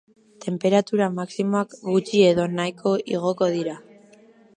Tenperatura maximoak gutxi edo nahiko igoko dira.